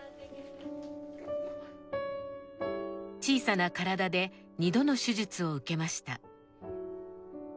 小さな体で２度の手術を受けました。